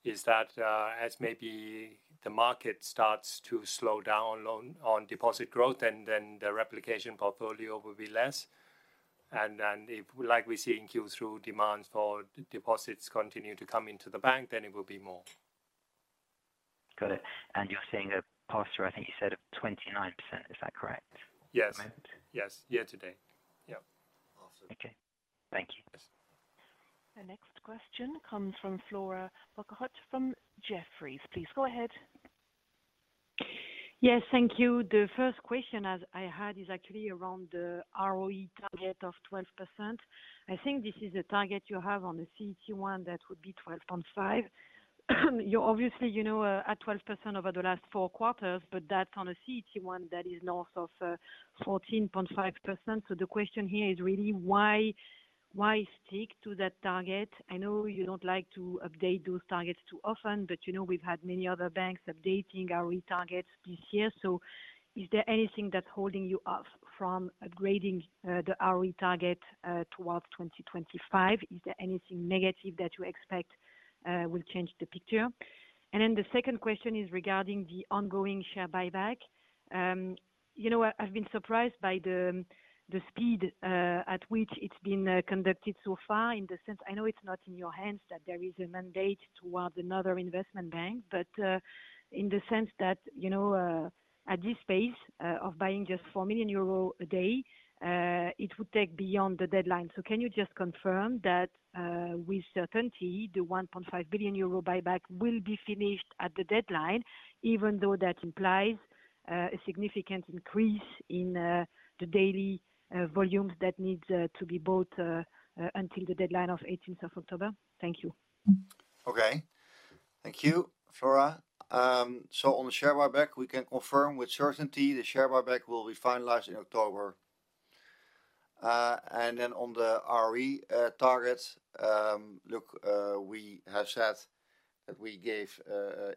is that as maybe the market starts to slow down on, on deposit growth, then the replicating portfolio will be less. Then if, like we see in Q3, demands for deposits continue to come into the bank, then it will be more. Got it. You're seeing a pass-through, I think you said, of 29%. Is that correct? Yes. Yes. Year to date. Yep. Awesome. Okay. Thank you. Yes. The next question comes from Flora Bocahut from Jefferies. Please, go ahead. Yes, thank you. The first question as I had is actually around the ROE target of 12%. I think this is the target you have on the CET1. That would be 12.5. You obviously, you know, at 12% over the last 4 quarters, but that on a CET1, that is north of 14.5%. The question here is really why, why stick to that target? I know you don't like to update those targets too often, but, you know, we've had many other banks updating our targets this year. Is there anything that's holding you off from upgrading the ROE target towards 2025? Is there anything negative that you expect will change the picture? Then the second question is regarding the ongoing share buyback. You know what? I've been surprised by the, the speed at which it's been conducted so far, in the sense. I know it's not in your hands, that there is a mandate towards another investment bank, but in the sense that, you know, at this pace of buying just 4 million euros a day, it would take beyond the deadline. Can you just confirm that with certainty, the 1.5 billion euro buyback will be finished at the deadline, even though that implies a significant increase in the daily volumes that needs to be bought until the deadline of 18th of October. Thank you. Okay. Thank you, Flora. On the share buyback, we can confirm with certainty the share buyback will be finalized in October. Then on the ROE target, look, we have said that we gave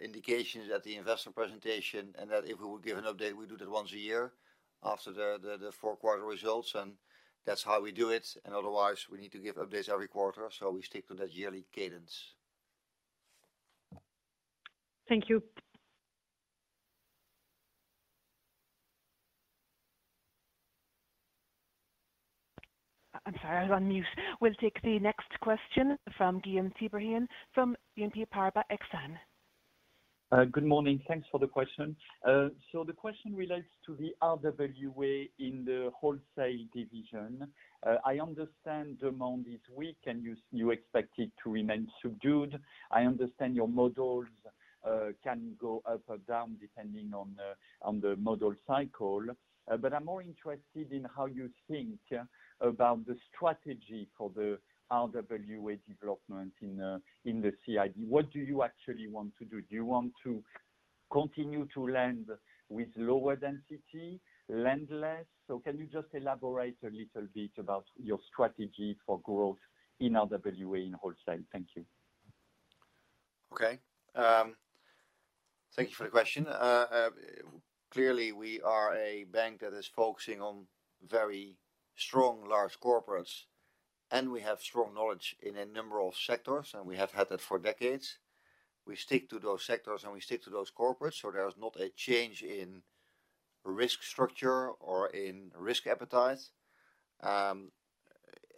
indications at the investor presentation, and that if we would give an update, we do that once a year after the four-quarter results, and that's how we do it. Otherwise, we need to give updates every quarter, so we stick to that yearly cadence. Thank you. I'm sorry, I was on mute. We'll take the next question from Guillaume Tiberghlen, from Exane BNP Paribas. Good morning. Thanks for the question. The question relates to the RWA in the Wholesale Banking division. I understand demand is weak, and you, you expect it to remain subdued. I understand your models can go up or down, depending on the, on the model cycle. I'm more interested in how you think about the strategy for the RWA development in the CIB. What do you actually want to do? Do you want to continue to lend with lower density, lend less? Can you just elaborate a little bit about your strategy for growth in RWA in Wholesale Banking? Thank you. Okay. Thank you for the question. Clearly, we are a bank that is focusing on very strong, large corporates, and we have strong knowledge in a number of sectors, and we have had that for decades. We stick to those sectors, and we stick to those corporates, so there is not a change in risk structure or in risk appetite.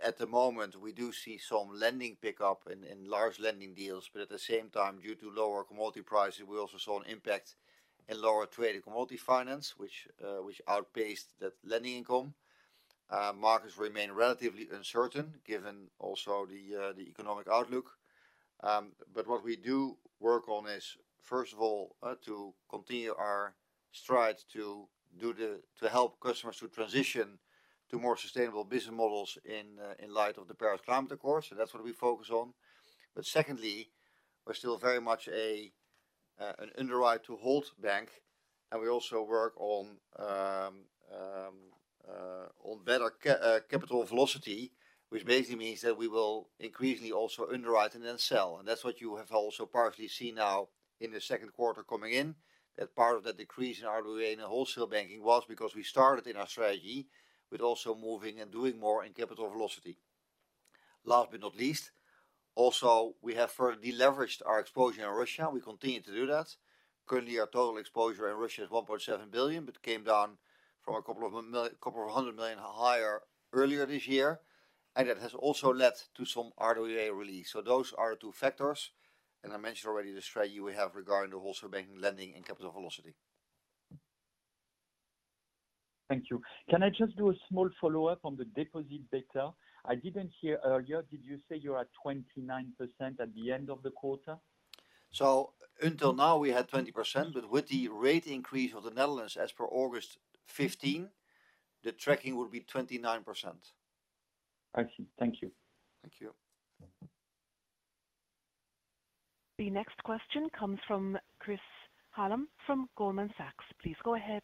At the moment, we do see some lending pickup in, in large lending deals, but at the same time, due to lower commodity prices, we also saw an impact in lower Trade and Commodity Finance, which, which outpaced that lending income. Markets remain relatively uncertain, given also the economic outlook. What we do work on is, first of all, to continue our strides to help customers to transition to more sustainable business models in light of the Paris Climate Accord. That's what we focus on. Secondly, we're still very much an underwrite to hold bank, and we also work on better capital velocity, which basically means that we will increasingly also underwrite and then sell. That's what you have also partially seen now in the second quarter coming in, that part of the decrease in RWA in the Wholesale Banking was because we started in our strategy, with also moving and doing more in capital velocity. Last but not least, also, we have further deleveraged our exposure in Russia. We continue to do that. Currently, our total exposure in Russia is 1.7 billion, but came down from 200 million higher earlier this year, and that has also led to some RWA release. Those are the two factors. I mentioned already the strategy we have regarding the Wholesale Banking, lending, and capital velocity. Thank you. Can I just do a small follow-up on the deposit data? I didn't hear earlier, did you say you're at 29% at the end of the quarter? Until now, we had 20%, but with the rate increase of the Netherlands as per August 15, the tracking will be 29%. I see. Thank you. Thank you. The next question comes from Chris Hallam from Goldman Sachs. Please go ahead.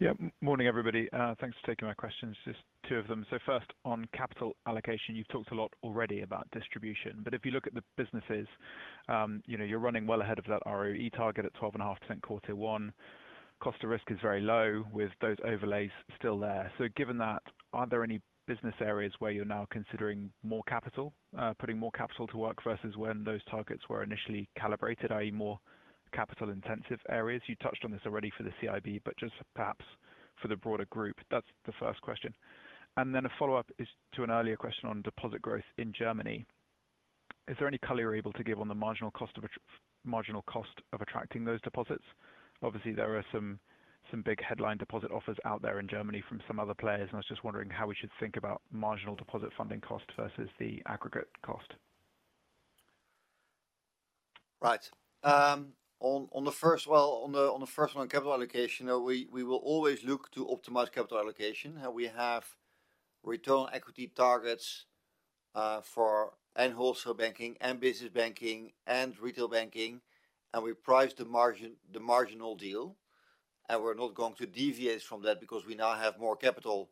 Yeah. Morning, everybody. Thanks for taking my questions. Just 2 of them. First, on capital allocation, you've talked a lot already about distribution, but if you look at the businesses, you know, you're running well ahead of that ROE target at 12.5% quarter 1. Cost of risk is very low with those overlays still there. Given that, are there any business areas where you're now considering more capital, putting more capital to work versus when those targets were initially calibrated, i.e, more capital-intensive areas? You touched on this already for the CIB, but just perhaps for the broader group. That's the first question. Then a follow-up is to an earlier question on deposit growth in Germany. Is there any color you're able to give on the marginal cost of attracting those deposits? Obviously, there are some, some big headline deposit offers out there in Germany from some other players. I was just wondering how we should think about marginal deposit funding cost versus the aggregate cost. Right. On the first one, capital allocation, we will always look to optimize capital allocation. We have return equity targets for Wholesale Banking and Business Banking and Retail Banking, and we price the margin, the marginal deal, and we're not going to deviate from that because we now have more capital.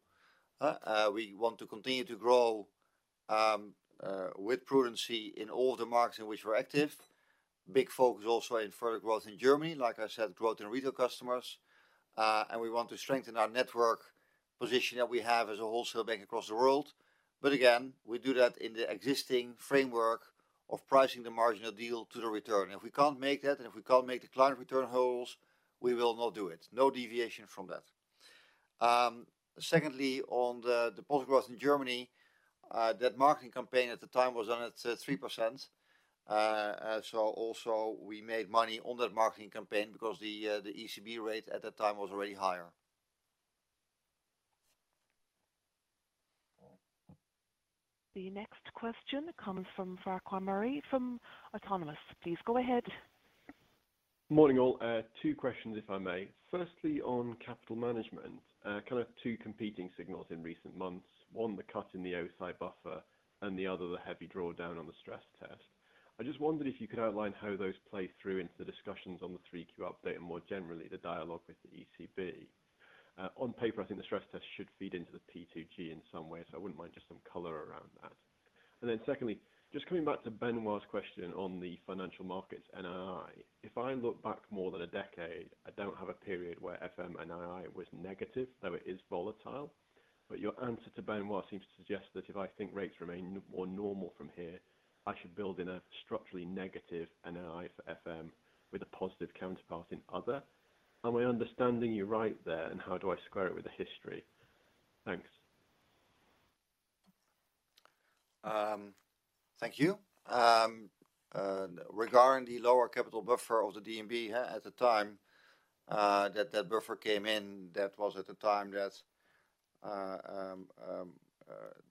We want to continue to grow with prudency in all the markets in which we're active. Big focus also in further growth in Germany, like I said, growth in retail customers, and we want to strengthen our network position that we have as a wholesale bank across the world. Again, we do that in the existing framework of pricing the marginal deal to the return. If we can't make that, and if we can't make the client return wholes, we will not do it. No deviation from that. Secondly, on the deposit growth in Germany, that marketing campaign at the time was done at 3%. Also we made money on that marketing campaign because the ECB rate at that time was already higher. The next question comes from Farquhar Murray from Autonomous. Please go ahead. Morning, all. Two questions, if I may. Firstly, on capital management, kind of two competing signals in recent months. One, the cut in the O-SII buffer, and the other, the heavy drawdown on the stress test. I just wondered if you could outline how those play through into the discussions on the 3Q update and more generally, the dialogue with the ECB. On paper, I think the stress test should feed into the P2G in some way, so I wouldn't mind just some color around that. Secondly, just coming back to Benoit's question on the Financial Markets, NII. If I look back more than a decade, I don't have a period where FM NII was negative, though it is volatile. Your answer to Benoit seems to suggest that if I think rates remain more normal from here, I should build in a structurally negative NII for FM with a positive counterpart in other. Am I understanding you right there, and how do I square it with the history? Thanks. Thank you. Regarding the lower capital buffer of the DNB, at the time that that buffer came in, that was at the time that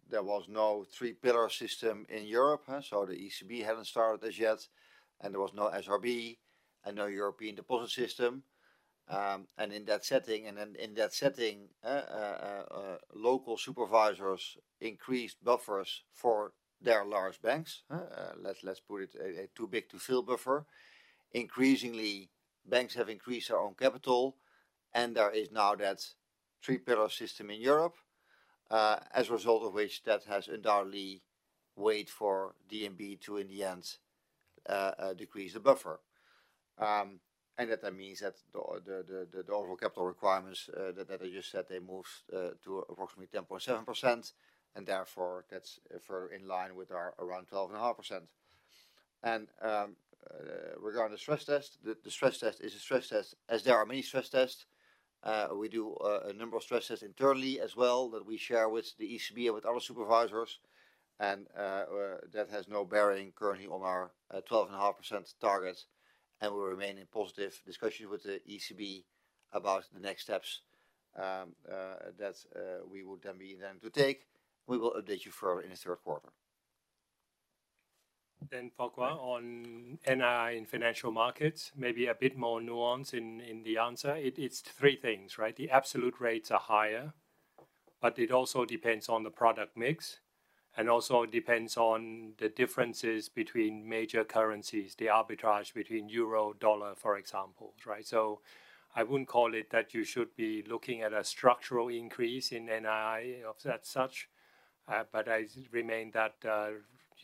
there was no three-pillar system in Europe, huh? The ECB hadn't started this yet, and there was no SRB and no European deposit system. In that setting, and in that setting, local supervisors increased buffers for their large banks, let's, let's put it a, a too big to fail buffer. Increasingly, banks have increased their own capital, and there is now that three-pillar system in Europe, as a result of which, that has entirely weighed for DNB to, in the end, decrease the buffer. That means that the, the, the, the overall capital requirements that I just said, they moved to approximately 10.7%, and therefore, that's further in line with our around 12.5%. Regarding the stress test, the stress test is a stress test, as there are many stress tests. We do a number of stress tests internally as well, that we share with the ECB and with other supervisors. That has no bearing currently on our 12.5% targets, and we remain in positive discussions with the ECB about the next steps that we would then be then to take. We will update you further in the third quarter. Farquhar, on NII in Financial Markets, maybe a bit more nuance in the answer. It's three things, right? The absolute rates are higher, but it also depends on the product mix, and also it depends on the differences between major currencies, the arbitrage between euro, dollar, for example, right? I wouldn't call it that you should be looking at a structural increase in NII of that such, but I remain that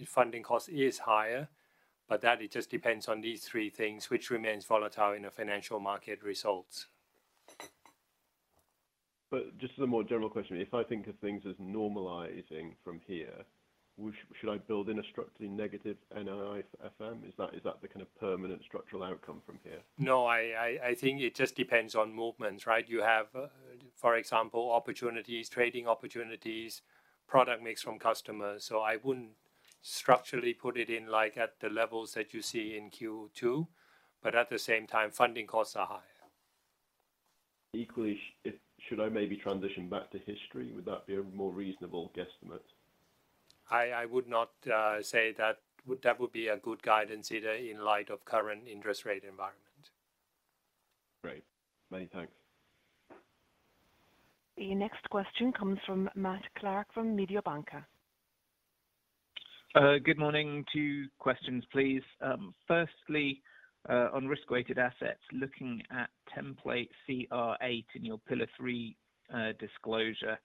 funding cost is higher, but that it just depends on these three things, which remains volatile in the Financial Markets results. Just as a more general question, if I think of things as normalizing from here, should I build in a structurally negative NII FM? Is that, is that the kind of permanent structural outcome from here? No, I think it just depends on movements, right? You have, for example, opportunities, trading opportunities, product mix from customers. I wouldn't structurally put it in, like at the levels that you see in Q2, but at the same time, funding costs are higher. Equally, should I maybe transition back to history? Would that be a more reasonable guesstimate? I, I would not say that would, that would be a good guidance, either, in light of current interest rate environment. Great. Many thanks. The next question comes from Matt Clark, from Mediobanca. Good morning. two questions, please. Firstly, on risk-weighted assets. Looking at template CR8 in your Pillar 3 disclosure,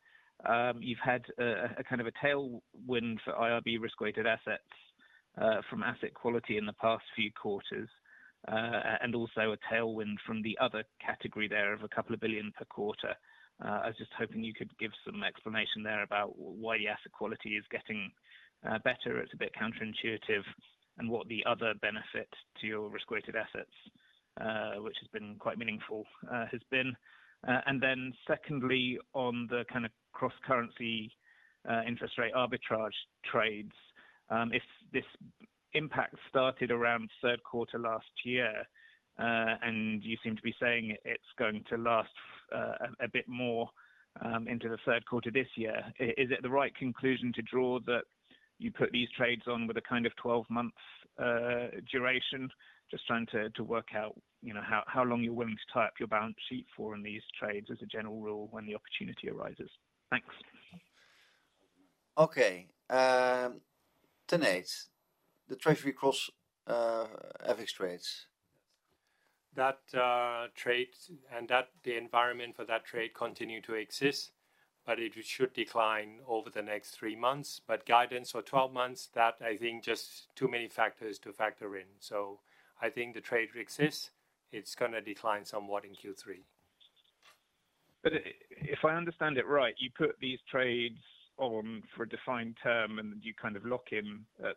you've had a kind of a tailwind for IRB risk-weighted assets from asset quality in the past few quarters, and also a tailwind from the other category there of 2 billion per quarter. I was just hoping you could give some explanation there about why your asset quality is getting better, it's a bit counterintuitive, and what the other benefit to your risk-weighted assets, which has been quite meaningful, has been. Then secondly, on the kind of cross-currency, interest rate arbitrage trades, if this impact started around 3rd quarter last year, and you seem to be saying it's going to last a bit more into the 3rd quarter this year, is it the right conclusion to draw that you put these trades on with a kind of 12-month duration? Just trying to work out, you know, how long you're willing to tie up your balance sheet for in these trades as a general rule when the opportunity arises. Thanks. Okay, Tanate, the Treasury cross, FX trades. That trade and the environment for that trade continue to exist. It should decline over the next 3 months. Guidance for 12 months, that I think just too many factors to factor in. I think the trade exists, it's gonna decline somewhat in Q3. if I understand it right, you put these trades on for a defined term, and you kind of lock in at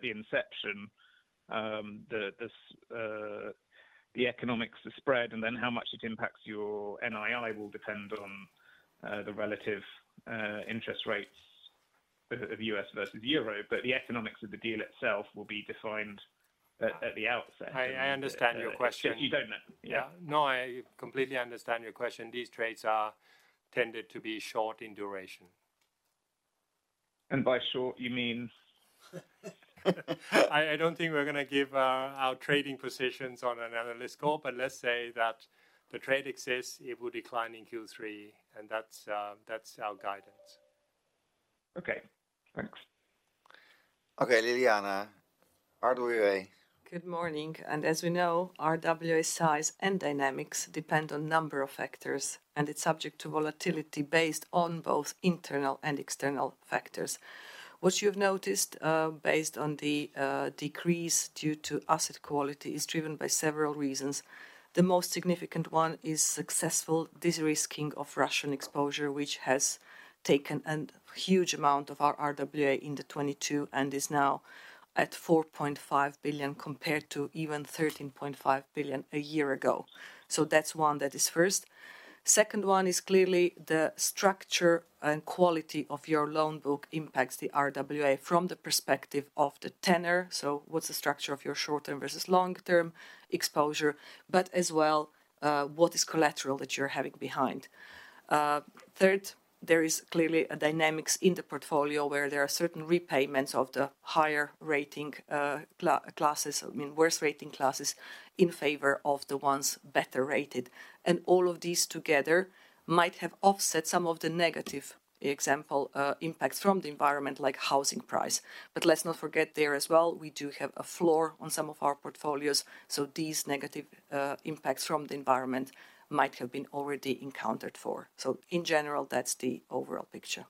the inception, the economics, the spread, and then how much it impacts your NII will depend on the relative interest rates of U.S. versus euro, but the economics of the deal itself will be defined at the outset. I understand your question. You don't know? Yeah. No, I completely understand your question. These trades are tended to be short in duration. By short, you mean? I, I don't think we're gonna give our trading positions on an analyst call, but let's say that the trade exists, it will decline in Q3, and that's that's our guidance. Okay, thanks. Okay, Ljiljana, RWA. Good morning. As we know, RWA size and dynamics depend on number of factors, and it's subject to volatility based on both internal and external factors. What you've noticed, based on the decrease due to asset quality, is driven by several reasons. The most significant one is successful de-risking of Russian exposure, which has taken an huge amount of our RWA in the 2022, and is now at 4.5 billion, compared to even 13.5 billion a year ago. That's one, that is first. Second one is clearly the structure and quality of your loan book impacts the RWA from the perspective of the tenor. What's the structure of your short-term versus long-term exposure, but as well, what is collateral that you're having behind? Third, there is clearly a dynamics in the portfolio where there are certain repayments of the higher rating classes, I mean, worse rating classes, in favor of the ones better rated. All of these together might have offset some of the negative example impacts from the environment, like housing price. Let's not forget there as well, we do have a floor on some of our portfolios, so these negative impacts from the environment might have been already encountered for. In general, that's the overall picture.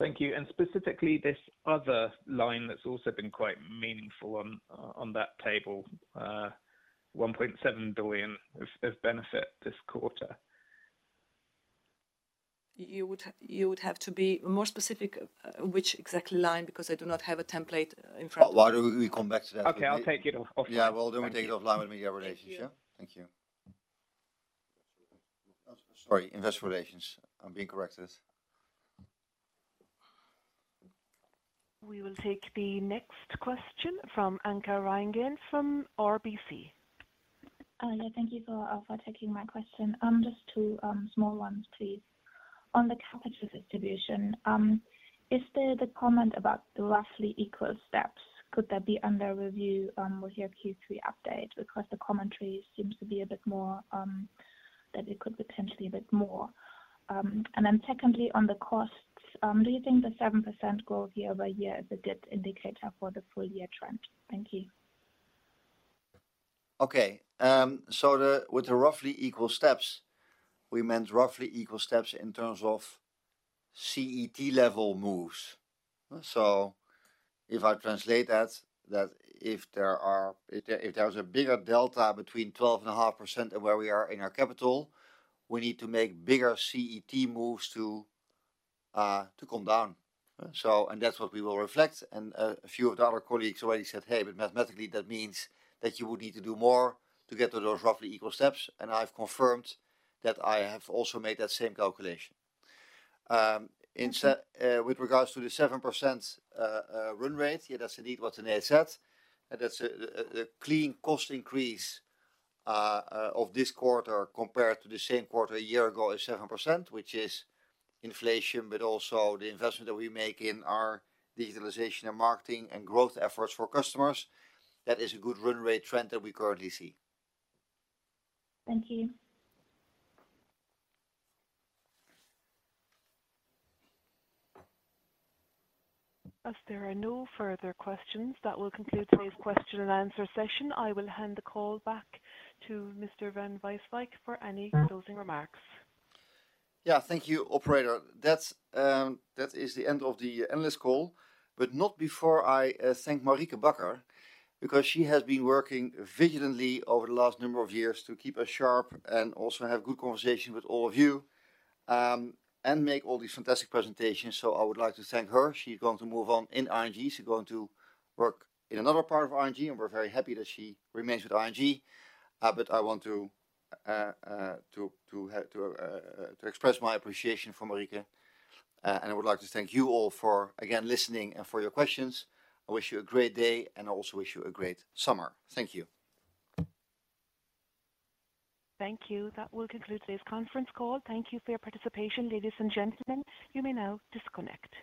Thank you. Specifically, this other line that's also been quite meaningful on, on that table, 1.7 billion of benefit this quarter. You would have, you would have to be more specific which exact line, because I do not have a template in front of me. Why don't we come back to that? Okay, I'll take it off. Yeah, well, we'll take it offline with media relations. Thank you. Thank you. Sorry, investor relations. I'm being corrected. We will take the next question from Anke Reingen from RBC. Yeah, thank you for taking my question. Just 2 small ones, please. On the capital distribution, is there the comment about the roughly equal steps? Could that be under review with your Q3 update? Because the commentary seems to be a bit more, that it could be potentially a bit more. Secondly, on the costs, do you think the 7% growth year-over-year is a good indicator for the full year trend? Thank you. Okay. With the roughly equal steps, we meant roughly equal steps in terms of CET level moves. If I translate that, that if there was a bigger delta between 12.5% and where we are in our capital, we need to make bigger CET moves to come down. That's what we will reflect. A few of our colleagues already said, "Hey, but mathematically, that means that you would need to do more to get to those roughly equal steps." I've confirmed that I have also made that same calculation. With regards to the 7% run rate, yeah, that's indeed what Annette said. That's a, a, a clean cost increase of this quarter compared to the same quarter a year ago is 7%, which is inflation, but also the investment that we make in our digitalization and marketing and growth efforts for customers. That is a good run rate trend that we currently see. Thank you. As there are no further questions, that will conclude today's question and answer session. I will hand the call back to Mr. Van Rijswijk for any closing remarks. Yeah. Thank you, operator. That's, that is the end of the analyst call, but not before I thank Marieke Bakker, because she has been working vigilantly over the last number of years to keep us sharp and also have good conversation with all of you, and make all these fantastic presentations. I would like to thank her. She's going to move on in ING. She's going to work in another part of ING, and we're very happy that she remains with ING. But I want to express my appreciation for Marieke. I would like to thank you all for, again, listening and for your questions. I wish you a great day, and I also wish you a great summer. Thank you. Thank you. That will conclude today's conference call. Thank you for your participation, ladies and gentlemen. You may now disconnect.